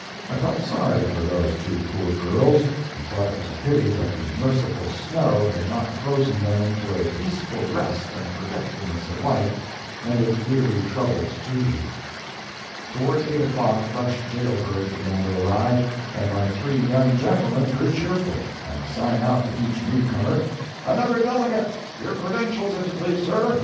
I felt sorry for those two poor girls, and thought it was a pity that the merciful snow had not frozen them into a peaceful rest and forgetfulness of life and its weary troubles, too. Towards 8 o'clock fresh jail birds began to arrive, and my three young gentlemen grew cheerful, and sang out to each newcomer, "Another delegate! Your credentials, if you please, sir.